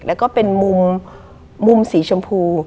แล้วก็เป็นมุมสีชมพู